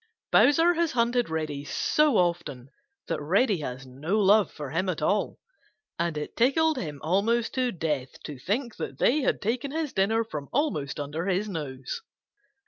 Bowser has hunted Reddy so often that Reddy has no love for him at all, and it tickled him almost to death to think that they had taken his dinner from almost under his nose.